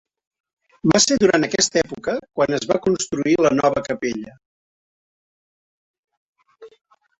Va ser durant aquesta època quan es va construir la nova capella.